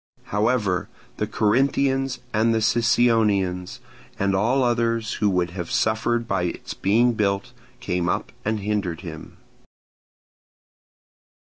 However, the Corinthians and Sicyonians, and all others who would have suffered by its being built, came up and hindered him.